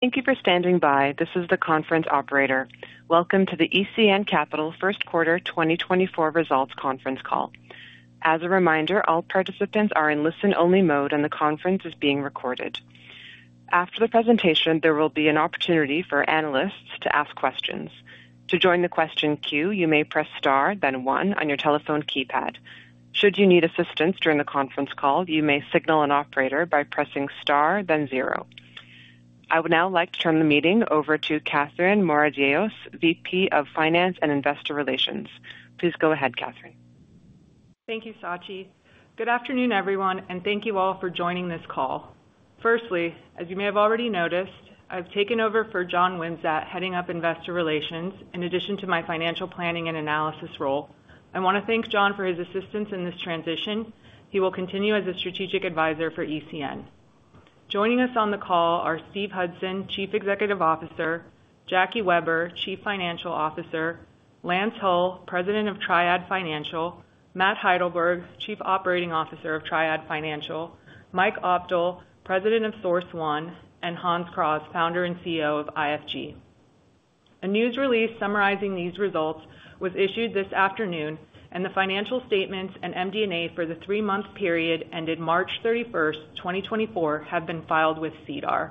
Thank you for standing by. This is the conference operator. Welcome to the ECN Capital Q1 2024 Results Conference Call. As a reminder, all participants are in listen-only mode, and the conference is being recorded. After the presentation, there will be an opportunity for analysts to ask questions. To join the question queue, you may press star, then one on your telephone keypad. Should you need assistance during the conference call, you may signal an operator by pressing star, then zero. I would now like to turn the meeting over to Katherine Moradiellos, VP of finance and investor relations. Please go ahead, Katherine. Thank you, Sachi. Good afternoon, everyone, and thank you all for joining this call. Firstly, as you may have already noticed, I've taken over for John Wimsatt, heading up Investor Relations, in addition to my financial planning and analysis role. I want to thank John for his assistance in this transition. He will continue as a strategic advisor for ECN. Joining us on the call are Steven Hudson, Chief Executive Officer, Jackie Weber, Chief Financial Officer, Lance Hull, President of Triad Financial, Matt Heidelberg, Chief Operating Officer of Triad Financial, Mike Opdahl, President of Source One, and Hans Kraaz, founder and CEO of IFG. A news release summarizing these results was issued this afternoon, and the financial statements and MD&A for the three-month period ended 31 March 2024, have been filed with SEDAR+.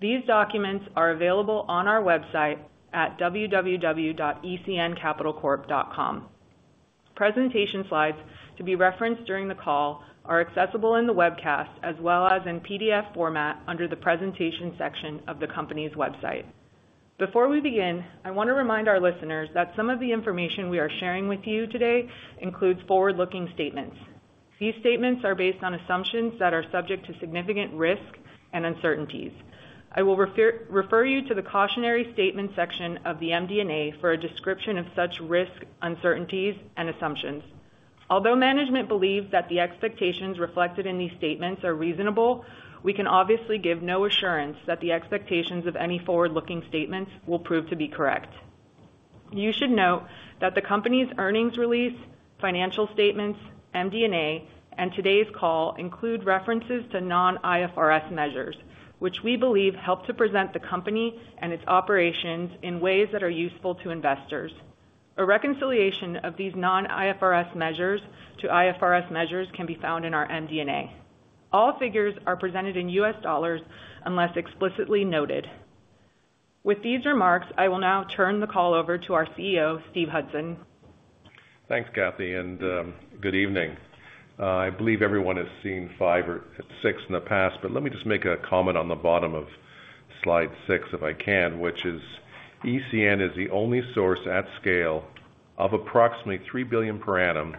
These documents are available on our website at www.ecncapitalcorp.com. Presentation slides to be referenced during the call are accessible in the webcast as well as in PDF format under the Presentation section of the company's website. Before we begin, I want to remind our listeners that some of the information we are sharing with you today includes forward-looking statements. These statements are based on assumptions that are subject to significant risk and uncertainties. I will refer you to the Cautionary Statement section of the MD&A for a description of such risk, uncertainties, and assumptions. Although management believes that the expectations reflected in these statements are reasonable, we can obviously give no assurance that the expectations of any forward-looking statements will prove to be correct. You should note that the company's earnings release, financial statements, MD&A, and today's call include references to non-IFRS measures, which we believe help to present the company and its operations in ways that are useful to investors. A reconciliation of these non-IFRS measures to IFRS measures can be found in our MD&A. All figures are presented in U.S. dollars, unless explicitly noted. With these remarks, I will now turn the call over to our CEO, Steve Hudson. Thanks, Kathy, and, good evening. I believe everyone has seen five or six in the past, but let me just make a comment on the bottom of slide six, if I can, which is ECN is the only source at scale of approximately $3 billion per annum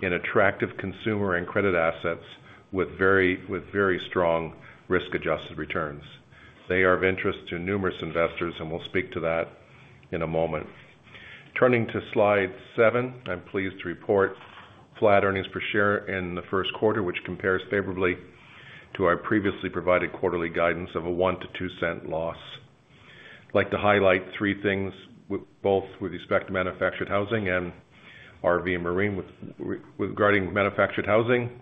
in attractive consumer and credit assets with very strong risk-adjusted returns. They are of interest to numerous investors, and we'll speak to that in a moment. Turning to slide seven, I'm pleased to report flat earnings per share in the Q1, which compares favorably to our previously provided quarterly guidance of a $0.01 to $0.02 loss. I'd like to highlight three things, both with respect to manufactured housing and RV and Marine. Regarding manufactured housing,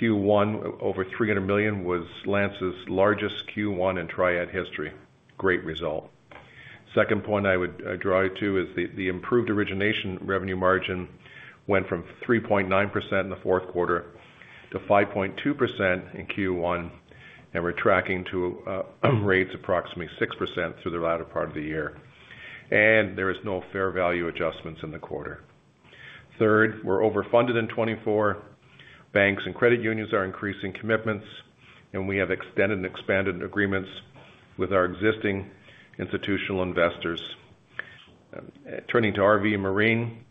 Q1, over $300 million, was Lance's largest Q1 in Triad history. Great result. Second point I would draw you to is the improved origination revenue margin went from 3.9% in the Q4 to 5.2% in Q1, and we're tracking to rates approximately 6% through the latter part of the year. There is no fair value adjustments in the quarter. Third, we're overfunded in 2024. Banks and credit unions are increasing commitments, and we have extended and expanded agreements with our existing institutional investors. Turning to RV and Marine,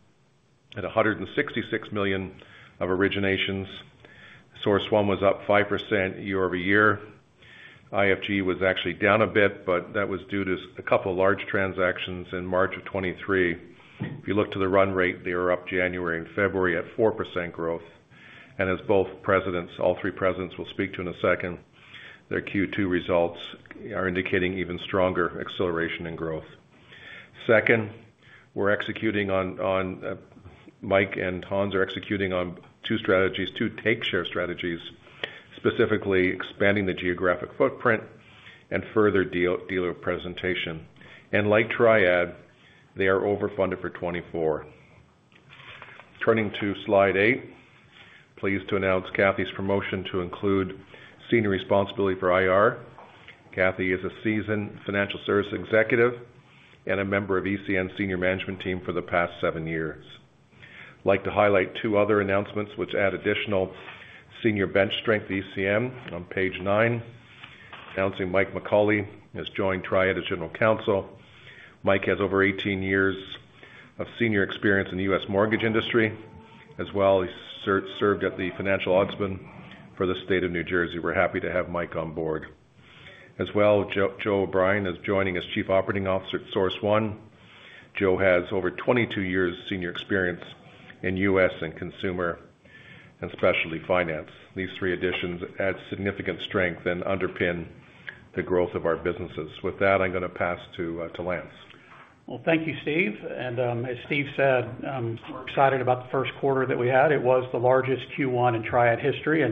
at $166 million of originations, Source One was up 5% year-over-year. IFG was actually down a bit, but that was due to a couple of large transactions in March of 2023. If you look to the run rate, they were up January and February at 4% growth, and as both presidents, all three presidents will speak to in a second, their Q2 results are indicating even stronger acceleration and growth. Second, we're executing on, on, Mike and Hans are executing on two strategies, two take share strategies, specifically expanding the geographic footprint and further deal-dealer presentation. And like Triad, they are overfunded for 2024. Turning to slide eight, pleased to announce Cathy's promotion to include senior responsibility for IR. Cathy is a seasoned financial services executive and a member of ECN senior management team for the past seven years. I'd like to highlight two other announcements which add additional senior bench strength to ECN. On page 9, announcing Mike McAuliffe has joined Triad as General Counsel. Mike has over 18 years of senior experience in the U.S. mortgage industry. As well, he served at the Financial Ombudsman for the State of New Jersey. We're happy to have Mike on board. As well, Joe O'Brien is joining as Chief Operating Officer at Source One. Joe has over 22 years senior experience in U.S. and consumer, and especially finance. These three additions add significant strength and underpin the growth of our businesses. With that, I'm gonna pass to, to Lance. Well, thank you, Steve. As Steve said, we're excited about the Q1 that we had. It was the largest Q1 in Triad history.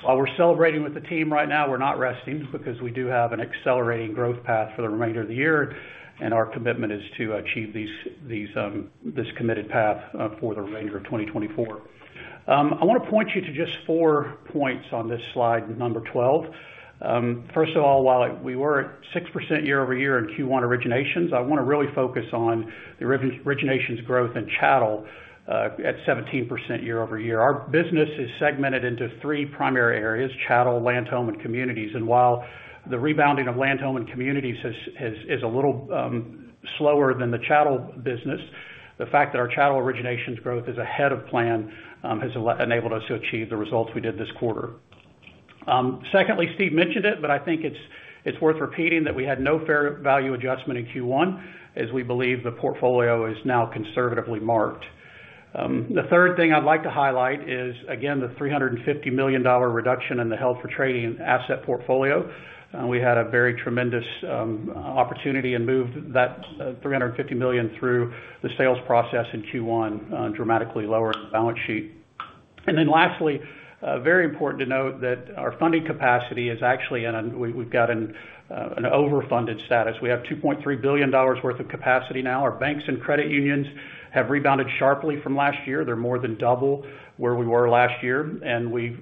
While we're celebrating with the team right now, we're not resting because we do have an accelerating growth path for the remainder of the year, and our commitment is to achieve these, this committed path, for the remainder of 2024. I wanna point you to just four points on this slide, number 12. First of all, while we were at 6% year-over-year in Q1 originations, I wanna really focus on the originations growth in chattel, at 17% year-over-year. Our business is segmented into three primary areas: chattel, land home, and communities. And while the rebounding of land home and communities is a little slower than the chattel business, the fact that our chattel originations growth is ahead of plan has enabled us to achieve the results we did this quarter. Secondly, Steve mentioned it, but I think it's worth repeating that we had no fair value adjustment in Q1, as we believe the portfolio is now conservatively marked. The third thing I'd like to highlight is, again, the $350 million reduction in the held for trading asset portfolio. We had a very tremendous opportunity and moved that $350 million through the sales process in Q1, dramatically lowering the balance sheet. And then lastly, very important to note that our funding capacity is actually in a—we've got an overfunded status. We have $2.3 billion worth of capacity now. Our banks and credit unions have rebounded sharply from last year. They're more than double where we were last year, and we've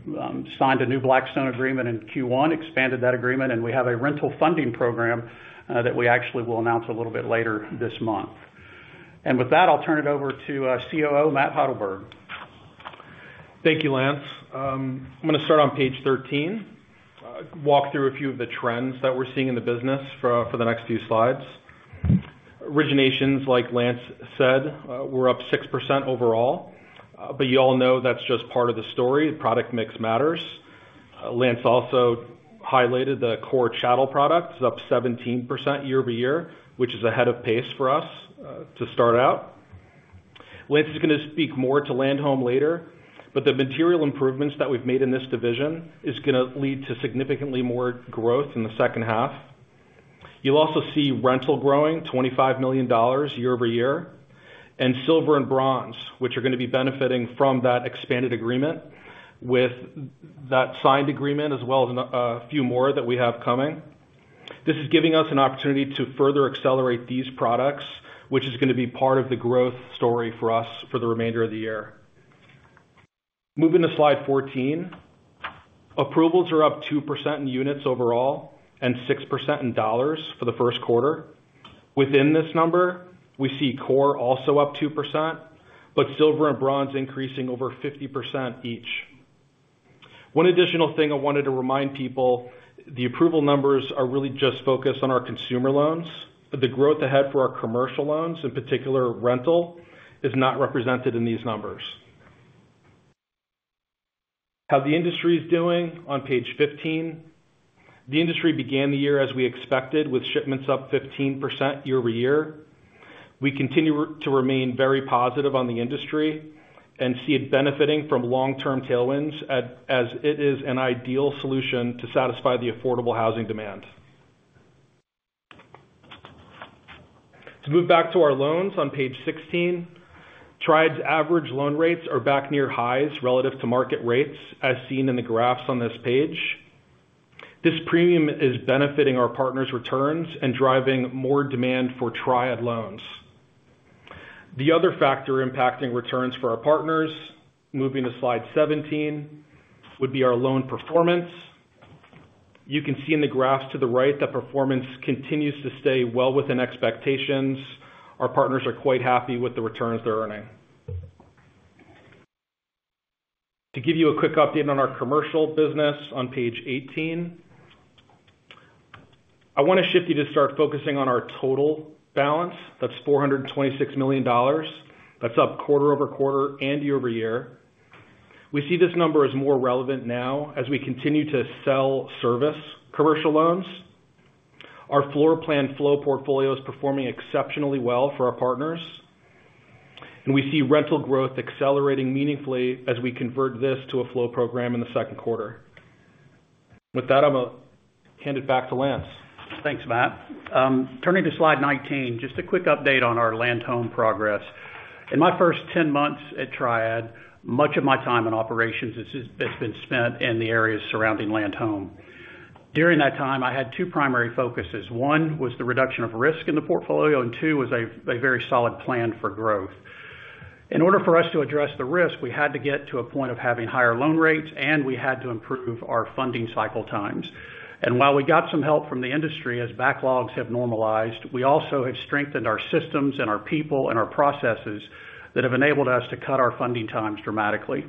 signed a new Blackstone agreement in Q1, expanded that agreement, and we have a rental funding program that we actually will announce a little bit later this month. And with that, I'll turn it over to COO Matt Heidelberg. Thank you, Lance. I'm gonna start on page 13. Walk through a few of the trends that we're seeing in the business for the next few slides. Originations, like Lance said, we're up 6% overall, but you all know that's just part of the story. Product mix matters. Lance also highlighted the core chattel products, up 17% year-over-year, which is ahead of pace for us to start out. Lance is gonna speak more to land home later, but the material improvements that we've made in this division is gonna lead to significantly more growth in the second half. You'll also see rental growing $25 million year-over-year, and silver and bronze, which are gonna be benefiting from that expanded agreement, with that signed agreement, as well as a few more that we have coming. This is giving us an opportunity to further accelerate these products, which is gonna be part of the growth story for us for the remainder of the year. Moving to slide 14. Approvals are up 2% in units overall and 6% in dollars for the Q1. Within this number, we see core also up 2%, but silver and bronze increasing over 50% each. One additional thing I wanted to remind people, the approval numbers are really just focused on our consumer loans, but the growth ahead for our commercial loans, in particular, rental, is not represented in these numbers. How the industry is doing on page 15. The industry began the year as we expected, with shipments up 15% year-over-year. We continue to remain very positive on the industry and see it benefiting from long-term tailwinds, as it is an ideal solution to satisfy the affordable housing demand. To move back to our loans on page 16, Triad's average loan rates are back near highs relative to market rates, as seen in the graphs on this page. This premium is benefiting our partners' returns and driving more demand for Triad loans. The other factor impacting returns for our partners, moving to slide 17, would be our loan performance. You can see in the graphs to the right that performance continues to stay well within expectations. Our partners are quite happy with the returns they're earning. To give you a quick update on our commercial business on page 18, I wanna shift you to start focusing on our total balance. That's $426 million. That's up quarter-over-quarter and year-over-year. We see this number as more relevant now as we continue to sell service commercial loans. Our floor plan flow portfolio is performing exceptionally well for our partners, and we see rental growth accelerating meaningfully as we convert this to a flow program in the Q2. With that, I'm gonna hand it back to Lance. Thanks, Matt. Turning to slide 19, just a quick update on our land home progress. In my first 10 months at Triad, much of my time in operations has been spent in the areas surrounding land home. During that time, I had two primary focuses. One, was the reduction of risk in the portfolio, and two, was a very solid plan for growth. In order for us to address the risk, we had to get to a point of having higher loan rates, and we had to improve our funding cycle times. And while we got some help from the industry, as backlogs have normalized, we also have strengthened our systems and our people and our processes that have enabled us to cut our funding times dramatically.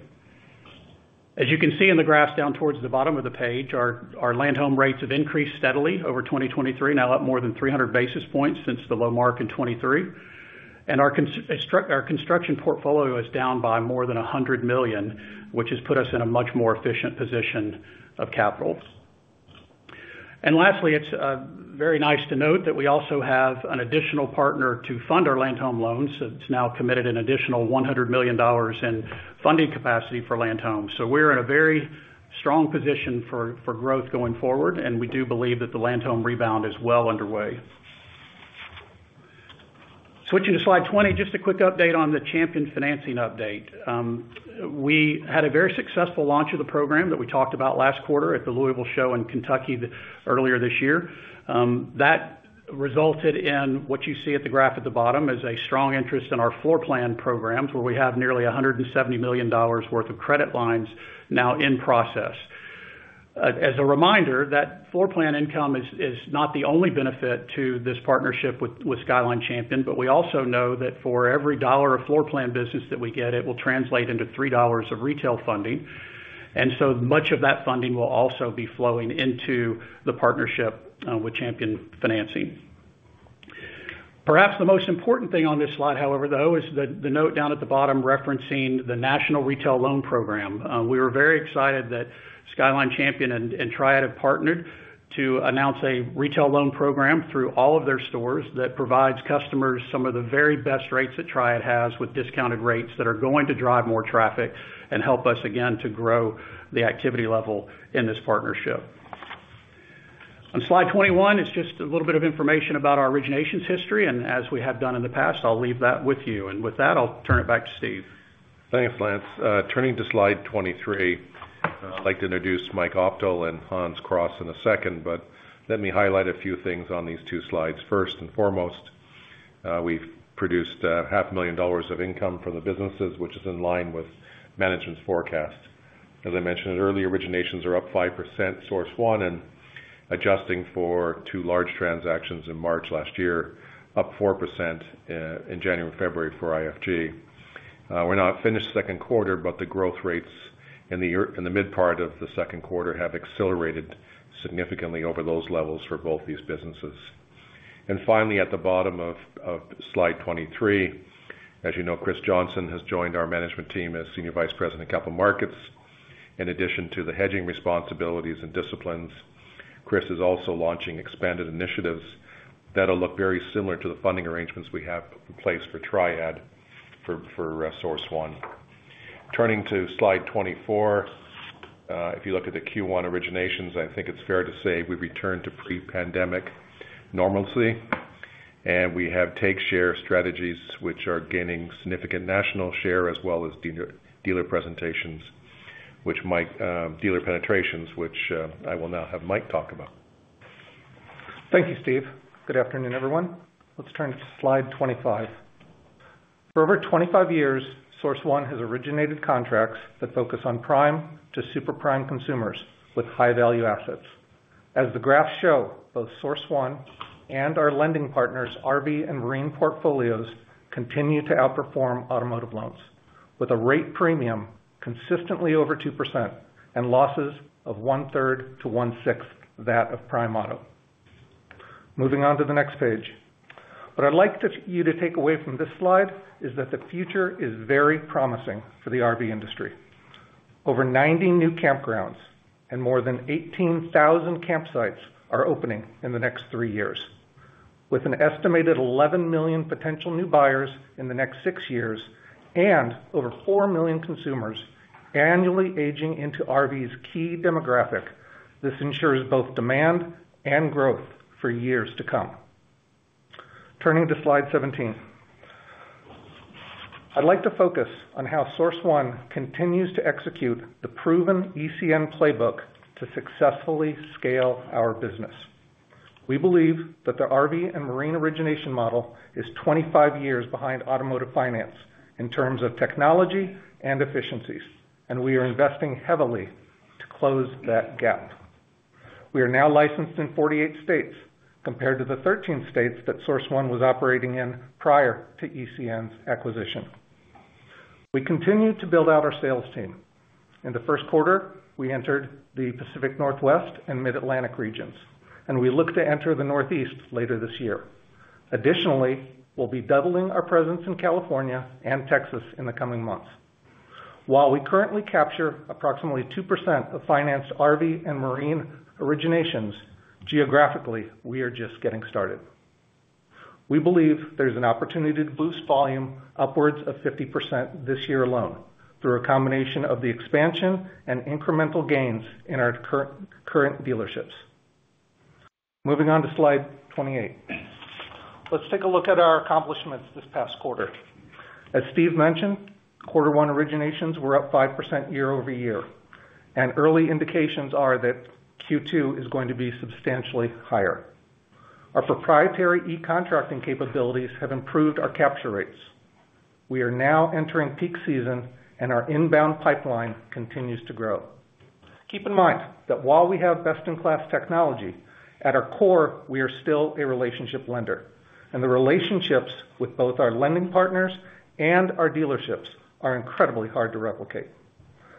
As you can see in the graph down towards the bottom of the page, our land home rates have increased steadily over 2023, now up more than 300 basis points since the low mark in 2023. And our construction portfolio is down by more than $100 million, which has put us in a much more efficient position of capital. And lastly, it's very nice to note that we also have an additional partner to fund our land home loans. So it's now committed an additional $100 million in funding capacity for land home. So we're in a very strong position for growth going forward, and we do believe that the land home rebound is well underway. Switching to slide 20, just a quick update on the Champion Financing update. We had a very successful launch of the program that we talked about last quarter at the Louisville Show in Kentucky earlier this year. That resulted in what you see at the graph at the bottom: a strong interest in our floor plan programs, where we have nearly $170 million worth of credit lines now in process. As a reminder, that floor plan income is not the only benefit to this partnership with Skyline Champion, but we also know that for every dollar of floor plan business that we get, it will translate into $3 of retail funding. And so much of that funding will also be flowing into the partnership with Champion Financing. Perhaps the most important thing on this slide, however, though, is the note down at the bottom referencing the National Retail Loan Program. We were very excited that Skyline Champion and Triad have partnered to announce a retail loan program through all of their stores that provides customers some of the very best rates that Triad has, with discounted rates that are going to drive more traffic and help us again to grow the activity level in this partnership. On slide 21, it's just a little bit of information about our originations history, and as we have done in the past, I'll leave that with you. With that, I'll turn it back to Steve. Thanks, Lance. Turning to slide 23, I'd like to introduce Mike Opdahl and Hans Kraaz in a second, but let me highlight a few things on these two slides. First and foremost, we've produced $500,000 of income from the businesses, which is in line with management's forecast. As I mentioned earlier, originations are up 5%, Source One, and adjusting for two large transactions in March last year, up 4% in January, February for IFG. We're not finished Q2, but the growth rates in the mid part of the Q2 have accelerated significantly over those levels for both these businesses. Finally, at the bottom of slide 23, as you know, Chris Johnson has joined our management team as Senior Vice President of Capital Markets. In addition to the hedging responsibilities and disciplines, Chris is also launching expanded initiatives that'll look very similar to the funding arrangements we have in place for Triad, for Source One. Turning to slide 24, if you look at the Q1 originations, I think it's fair to say we've returned to pre-pandemic normalcy, and we have take share strategies which are gaining significant national share, as well as dealer penetrations, which I will now have Mike talk about. Thank you, Steve. Good afternoon, everyone. Let's turn to slide 25. For over 25 years, Source One has originated contracts that focus on prime to super prime consumers with high-value assets. As the graphs show, both Source One and our lending partners, RV and Marine portfolios continue to outperform automotive loans with a rate premium consistently over 2% and losses of 1/3 to 1/6 that of prime auto. Moving on to the next page. What I'd like to you to take away from this slide is that the future is very promising for the RV industry. Over 90 new campgrounds and more than 18,000 campsites are opening in the next three years. With an estimated 11 million potential new buyers in the next six years, and over 4 million consumers annually aging into RV's key demographic, this ensures both demand and growth for years to come. Turning to slide 17. I'd like to focus on how Source One continues to execute the proven ECN playbook to successfully scale our business. We believe that the RV and Marine origination model is 25 years behind automotive finance in terms of technology and efficiencies, and we are investing heavily to close that gap. We are now licensed in 48 states, compared to the 13 states that Source One was operating in prior to ECN's acquisition. We continue to build out our sales team. In the Q1, we entered the Pacific Northwest and mid-Atlantic regions, and we look to enter the Northeast later this year. Additionally, we'll be doubling our presence in California and Texas in the coming months. While we currently capture approximately 2% of financed RV and Marine originations, geographically, we are just getting started. We believe there's an opportunity to boost volume upwards of 50% this year alone, through a combination of the expansion and incremental gains in our current dealerships. Moving on to slide 28. Let's take a look at our accomplishments this past quarter. As Steve mentioned, quarter one originations were up 5% year over year, and early indications are that Q2 is going to be substantially higher. Our proprietary e-contracting capabilities have improved our capture rates. We are now entering peak season and our inbound pipeline continues to grow. Keep in mind that while we have best-in-class technology, at our core, we are still a relationship lender, and the relationships with both our lending partners and our dealerships are incredibly hard to replicate.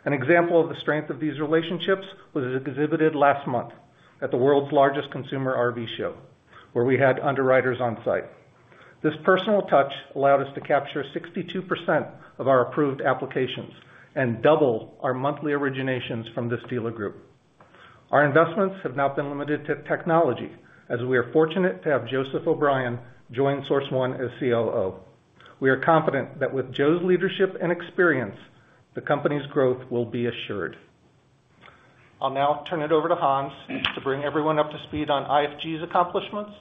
An example of the strength of these relationships was exhibited last month at the world's largest consumer RV show, where we had underwriters on site. This personal touch allowed us to capture 62% of our approved applications and double our monthly originations from this dealer group.... Our investments have now been limited to technology, as we are fortunate to have Joseph O'Brien join Source One as COO. We are confident that with Joe's leadership and experience, the company's growth will be assured. I'll now turn it over to Hans to bring everyone up to speed on IFG's accomplishments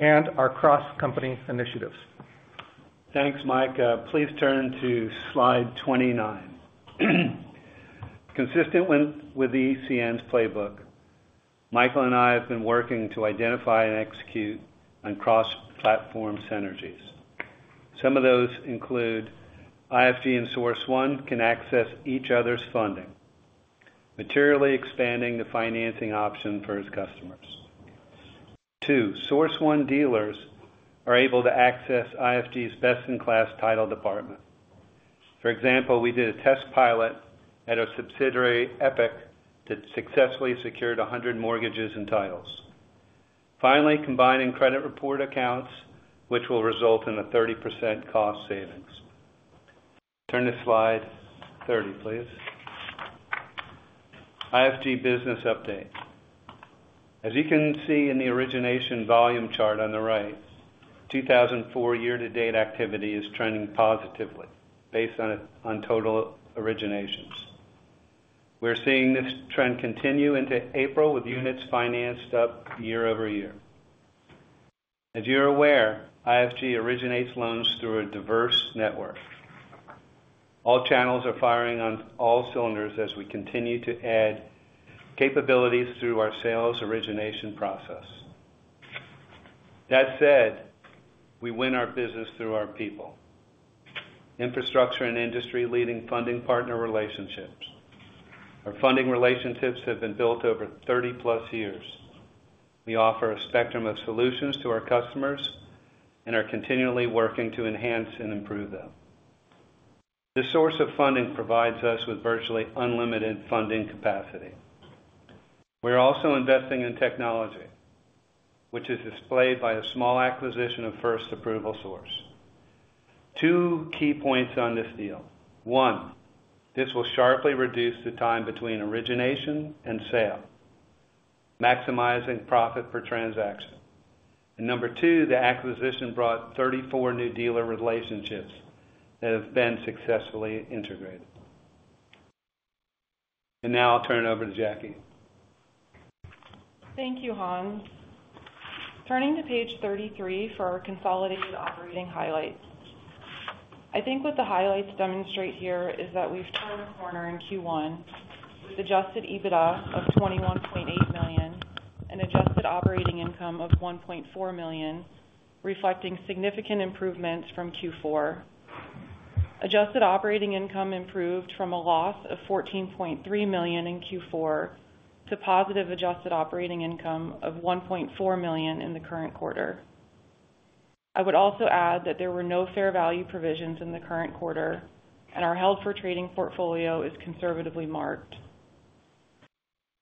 and our cross-company initiatives. Thanks, Mike. Please turn to slide 29. Consistent with the ECN's playbook, Michael and I have been working to identify and execute on cross-platform synergies. Some of those include IFG and Source One can access each other's funding, materially expanding the financing option for its customers. 2, Source One dealers are able to access IFG's best-in-class title department. For example, we did a test pilot at our subsidiary, Epic, that successfully secured 100 mortgages and titles. Finally, combining credit report accounts, which will result in a 30% cost savings. Turn to slide 30, please. IFG business update. As you can see in the origination volume chart on the right, 2024 year-to-date activity is trending positively based on total originations. We're seeing this trend continue into April, with units financed up year-over-year. As you're aware, IFG originates loans through a diverse network. All channels are firing on all cylinders as we continue to add capabilities through our sales origination process. That said, we win our business through our people, infrastructure and industry-leading funding partner relationships. Our funding relationships have been built over 30+ years. We offer a spectrum of solutions to our customers and are continually working to enhance and improve them. This source of funding provides us with virtually unlimited funding capacity. We're also investing in technology, which is displayed by a small acquisition of First Approval Source. Two key points on this deal. One, this will sharply reduce the time between origination and sale, maximizing profit per transaction. And number two, the acquisition brought 34 new dealer relationships that have been successfully integrated. And now I'll turn it over to Jackie. Thank you, Hans. Turning to page 33 for our consolidated operating highlights. I think what the highlights demonstrate here is that we've turned a corner in Q1 with Adjusted EBITDA of $21.8 million and Adjusted Operating Income of $1.4 million, reflecting significant improvements from Q4. Adjusted Operating Income improved from a loss of $14.3 million in Q4 to positive Adjusted Operating Income of $1.4 million in the current quarter. I would also add that there were no fair value provisions in the current quarter, and our Held for Trading Portfolio is conservatively marked.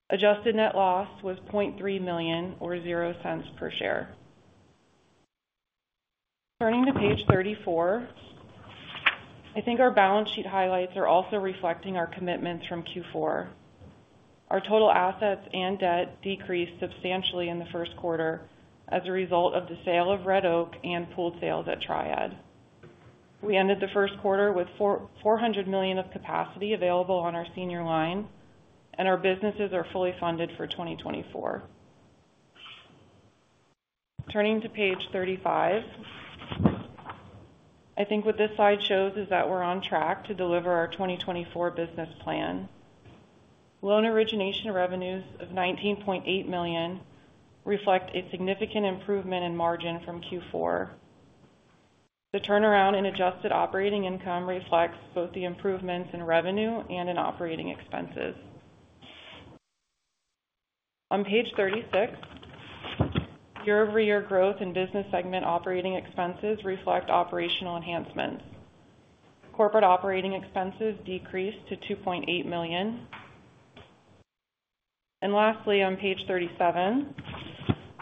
Adjusted net loss was $0.3 million or 0 cents per share. Turning to page 34, I think our balance sheet highlights are also reflecting our commitments from Q4. Our total assets and debt decreased substantially in the Q1 as a result of the sale of Red Oak and pooled sales at Triad. We ended the Q1 with $400 million of capacity available on our senior line, and our businesses are fully funded for 2024. Turning to page 35, I think what this slide shows is that we're on track to deliver our 2024 business plan. Loan origination revenues of $19.8 million reflect a significant improvement in margin from Q4. The turnaround in adjusted operating income reflects both the improvements in revenue and in operating expenses. On page 36, year-over-year growth in business segment operating expenses reflect operational enhancements. Corporate operating expenses decreased to $2.8 million. Lastly, on page 37,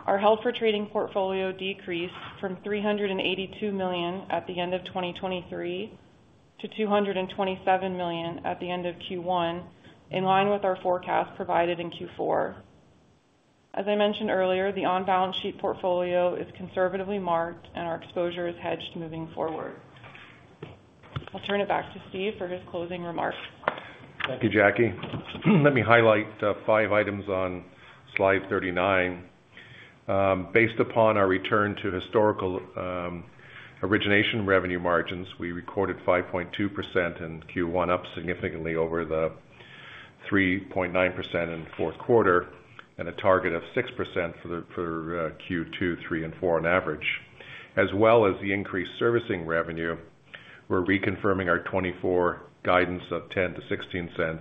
our held for trading portfolio decreased from $382 million at the end of 2023 to $227 million at the end of Q1, in line with our forecast provided in Q4. As I mentioned earlier, the on-balance sheet portfolio is conservatively marked, and our exposure is hedged moving forward. I'll turn it back to Steve for his closing remarks. Thank you, Jackie. Let me highlight five items on slide 39. Based upon our return to historical origination revenue margins, we recorded 5.2% in Q1, up significantly over the 3.9% in the Q4, and a target of 6% for the Q2, Q3, and Q4 on average, as well as the increased servicing revenue. We're reconfirming our 2024 guidance of $0.10 to $0.16.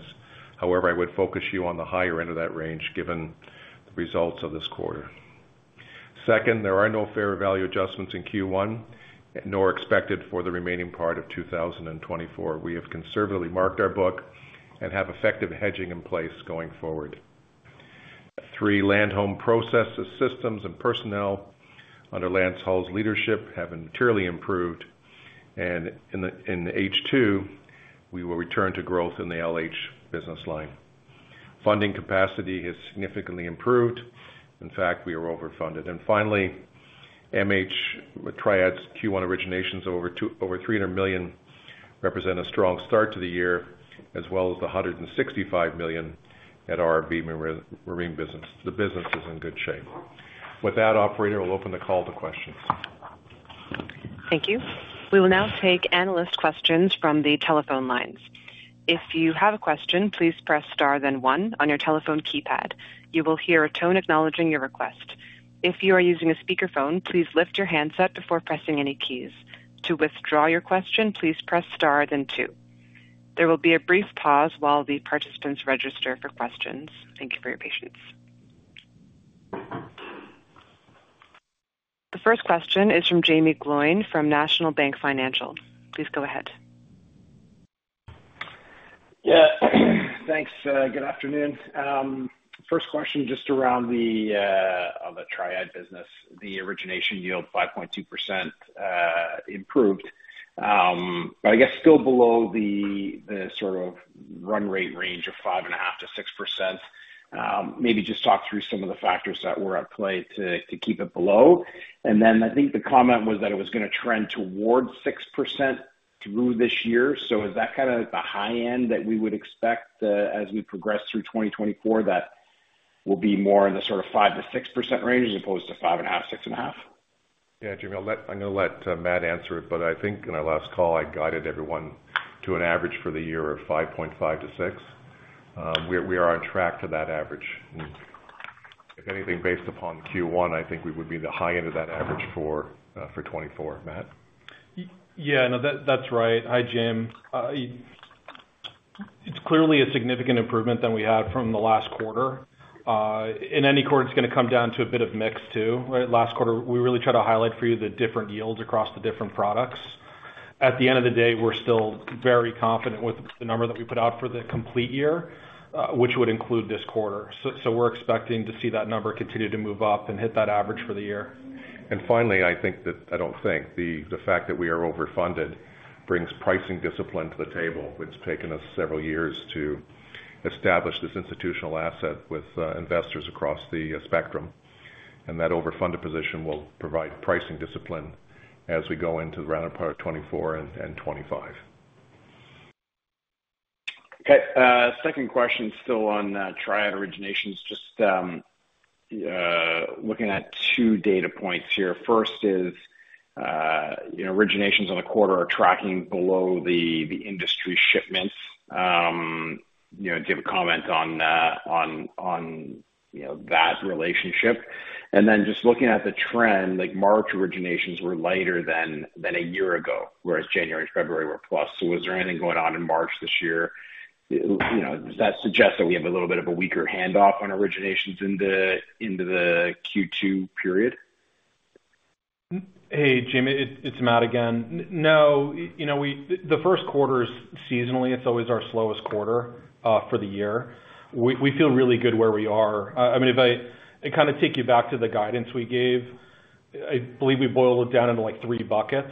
However, I would focus you on the higher end of that range, given the results of this quarter. Second, there are no fair value adjustments in Q1, nor expected for the remaining part of 2024. We have conservatively marked our book and have effective hedging in place going forward. Three, Land Home processes, systems, and personnel under Lance Hull's leadership have materially improved. In the H2, we will return to growth in the LH business line. Funding capacity has significantly improved. In fact, we are overfunded. Finally, MH Triad's Q1 originations of over $300 million represent a strong start to the year, as well as the $165 million at our RV marine business. The business is in good shape. With that, operator, we'll open the call to questions. Thank you. We will now take analyst questions from the telephone lines. If you have a question, please press star, then one on your telephone keypad. You will hear a tone acknowledging your request. If you are using a speakerphone, please lift your handset before pressing any keys. To withdraw your question, please press star, then two. There will be a brief pause while the participants register for questions. Thank you for your patience. The first question is from Jaeme Gloyn, from National Bank Financial. Please go ahead. Yeah, thanks. Good afternoon. First question, just around the, on the Triad business, the origination yield 5.2%, improved. But I guess still below the sort of run rate range of 5.5% to 6%. Maybe just talk through some of the factors that were at play to keep it below. And then I think the comment was that it was going to trend towards 6% through this year. So is that kind of the high end that we would expect, as we progress through 2024, that will be more in the sort of 5% to 6% range as opposed to 5.5% to 6.5%? Yeah, Jaeme, I'll let Matt answer it, but I think in our last call, I guided everyone to an average for the year of 5.5 to 6. We are on track to that average. If anything, based upon Q1, I think we would be the high end of that average for 2024. Matt? Yeah, no, that's right. Hi, Jaeme. It's clearly a significant improvement than we had from the last quarter. In any quarter, it's going to come down to a bit of mix, too, right? Last quarter, we really tried to highlight for you the different yields across the different products. At the end of the day, we're still very confident with the number that we put out for the complete year, which would include this quarter. So, we're expecting to see that number continue to move up and hit that average for the year. Finally, I don't think the fact that we are overfunded brings pricing discipline to the table. It's taken us several years to establish this institutional asset with investors across the spectrum, and that overfunded position will provide pricing discipline as we go into the latter part of 2024 and 2025. Okay, second question, still on Triad originations, just looking at two data points here. First is, you know, originations on the quarter are tracking below the industry shipments. You know, do you have a comment on that relationship? And then just looking at the trend, like, March originations were lighter than a year ago, whereas January, February were plus. So was there anything going on in March this year? You know, does that suggest that we have a little bit of a weaker handoff on originations into the Q2 period? Hey, Jaeme, it's Matt again. No, you know, the Q1 is seasonally, it's always our slowest quarter for the year. We feel really good where we are. I mean, if I kind of take you back to the guidance we gave, I believe we boiled it down into, like, three buckets.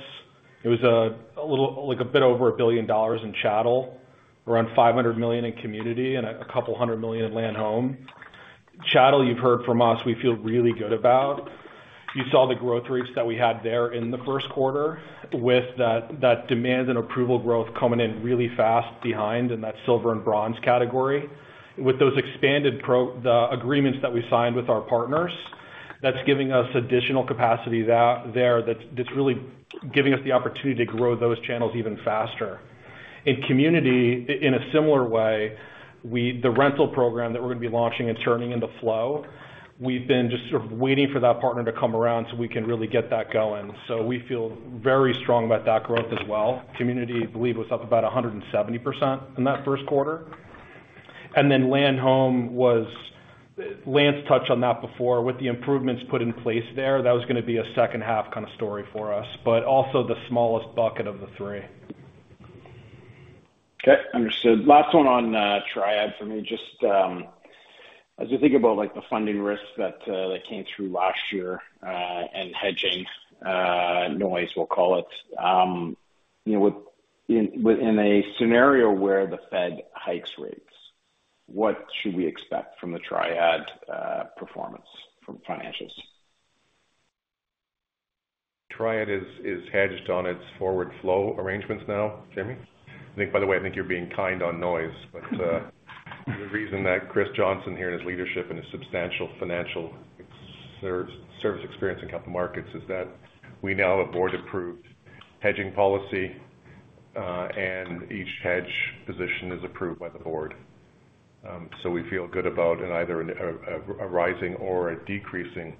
It was a little, like, a bit over $1 billion in chattel, around $500 million in community, and a couple of hundred million in land home. Chattel, you've heard from us, we feel really good about. You saw the growth rates that we had there in the Q1, with that demand and approval growth coming in really fast behind in that Silver and Bronze category. With those expanded agreements that we signed with our partners, that's giving us additional capacity. That's really giving us the opportunity to grow those channels even faster. In community, in a similar way, the rental program that we're going to be launching and turning into flow, we've been just sort of waiting for that partner to come around so we can really get that going. So we feel very strong about that growth as well. Community, I believe, was up about 170% in that Q1. And then land home was—Lance touched on that before. With the improvements put in place there, that was going to be a second-half kind of story for us, but also the smallest bucket of the three. Okay, understood. Last one on Triad for me. Just, as you think about, like, the funding risks that came through last year, and hedging noise, we'll call it. You know, within a scenario where the Fed hikes rates, what should we expect from the Triad performance from financials? Triad is hedged on its forward flow arrangements now, Jimmy. I think, by the way, I think you're being kind on noise, but the reason that Chris Johnson here, and his leadership, and his substantial financial service experience in capital markets is that we now have board-approved hedging policy, and each hedge position is approved by the board. So we feel good about in either a rising or a decreasing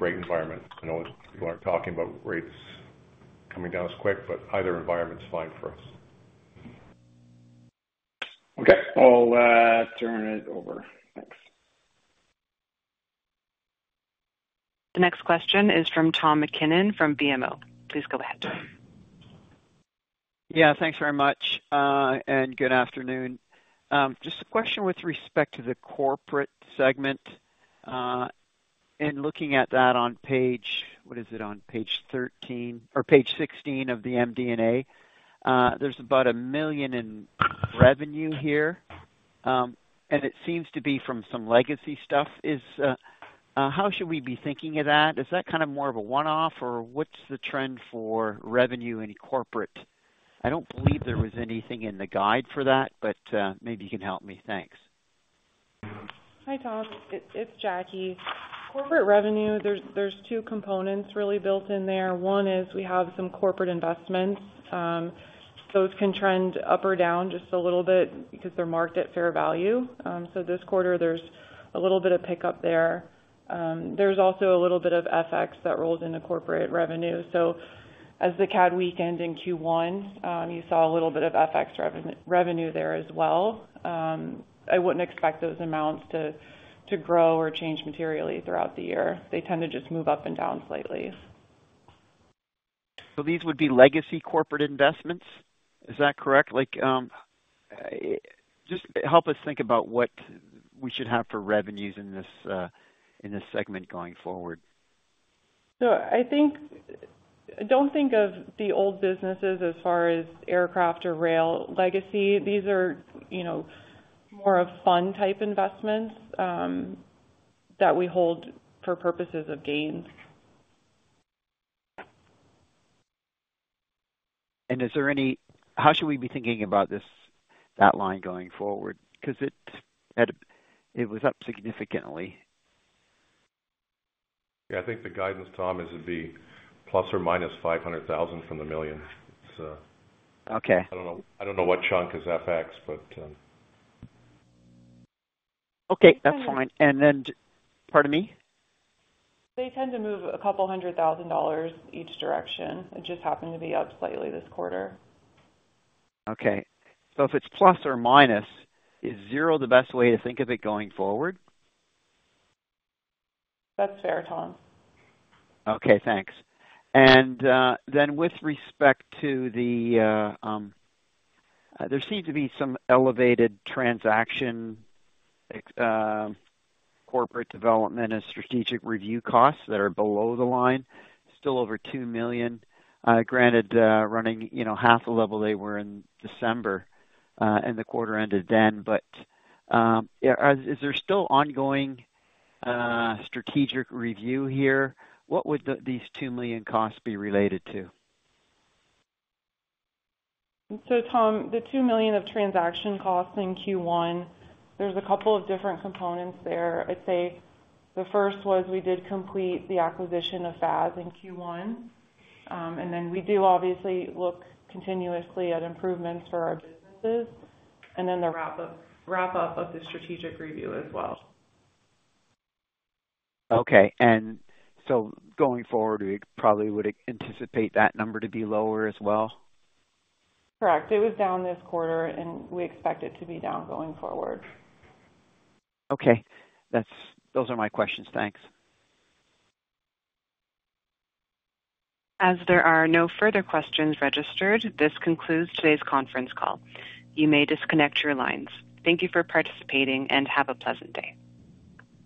rate environment. I know people aren't talking about rates coming down as quick, but either environment is fine for us. Okay. I'll turn it over. Thanks. The next question is from Tom MacKinnon, from BMO. Please go ahead.... Yeah, thanks very much, and good afternoon. Just a question with respect to the corporate segment, in looking at that on page, what is it? On page 13 or page 16 of the MD&A. There's about $1 million in revenue here, and it seems to be from some legacy stuff. Is, how should we be thinking of that? Is that kind of more of a one-off, or what's the trend for revenue in corporate? I don't believe there was anything in the guide for that, but, maybe you can help me. Thanks. Hi, Tom. It's Jackie. Corporate revenue, there's two components really built in there. One is we have some corporate investments. Those can trend up or down just a little bit because they're marked at fair value. So this quarter, there's a little bit of pickup there. There's also a little bit of FX that rolls into corporate revenue. So as the CAD weakened in Q1, you saw a little bit of FX revenue there as well. I wouldn't expect those amounts to grow or change materially throughout the year. They tend to just move up and down slightly. So these would be legacy corporate investments? Is that correct? Like, just help us think about what we should have for revenues in this segment going forward. So I think... Don't think of the old businesses as far as aircraft or rail legacy. These are, you know, more of fun type investments that we hold for purposes of gains. Is there any, how should we be thinking about this, that line going forward? Because it, it was up significantly. Yeah, I think the guidance, Tom, is it'd be ±$500,000 from the $1 million. So- Okay. I don't know, I don't know what chunk is FX, but. Okay, that's fine. And then... Pardon me? They tend to move $200,000 each direction. It just happened to be up slightly this quarter. Okay. So if it's ±, is zero the best way to think of it going forward? That's fair, Tom. Okay, thanks. And then with respect to the, there seemed to be some elevated transaction ex, corporate development and strategic review costs that are below the line, still over $2 million. Granted, running, you know, half the level they were in December, and the quarter ended then. But, is there still ongoing, strategic review here? What would the, these $2 million costs be related to? So Tom, the $2 million of transaction costs in Q1, there's a couple of different components there. I'd say the first was we did complete the acquisition of FAS in Q1. And then we do obviously look continuously at improvements for our businesses, and then the wrap up of the strategic review as well. Okay, and so going forward, we probably would anticipate that number to be lower as well? Correct. It was down this quarter, and we expect it to be down going forward. Okay. Those are my questions. Thanks. As there are no further questions registered, this concludes today's conference call. You may disconnect your lines. Thank you for participating, and have a pleasant day.